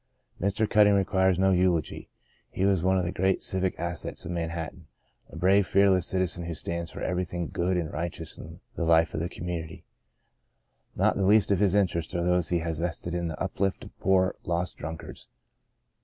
Mr. Cutting re quires no eulogy. He is one of the great civic assets of Manhattan — a brave, fearless citizen who stands for everything good and righteous in the life of the community. Not the least of his interests are those he has vested in the uplift of poor, lost drunkards.